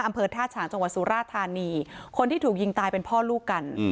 อำเภอท่าฉางจังหวัดสุราธานีคนที่ถูกยิงตายเป็นพ่อลูกกัน